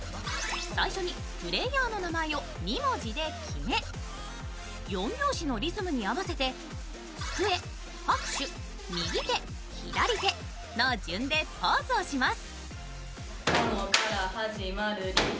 最初にプレーヤーの名前を２文字で決め４拍子のリズムに合わせて机、拍手、右手、左手の順でポーズをします。